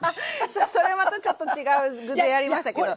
それまたちょっと違う具でやりましたけど。